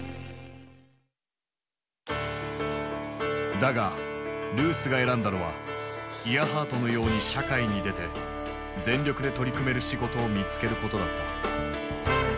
だがルースが選んだのはイアハートのように社会に出て全力で取り組める仕事を見つけることだった。